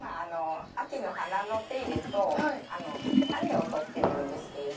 秋の花の手入れと種を取っているんですけど。